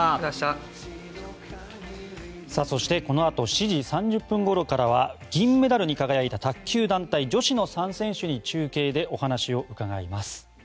そしてこのあと７時３０分ごろからは銀メダルに輝いた卓球団体女子の３選手に中継でお話を伺います。